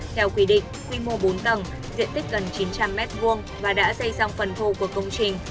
theo quy định quy mô bốn tầng diện tích gần chín trăm linh m hai và đã xây xong phần thô của công trình